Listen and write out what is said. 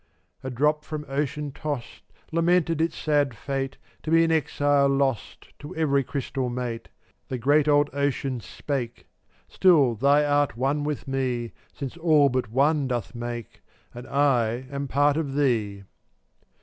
439 A drop from ocean tossed Lamented its sad fate, To be an exile lost To every crystal mate. The great old Ocean spake: " Still thy art one with me, Since All but One doth make, And I am part of thee."